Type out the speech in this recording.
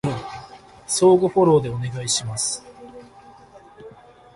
相互フォローでお願いします